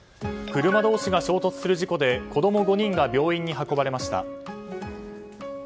車同士が衝突する事故で子供５人が病院に運ばれました。